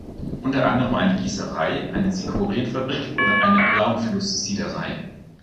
Unter anderem eine Gießerei, eine Zichorienfabrik und eine Alaunfluss-Siederei.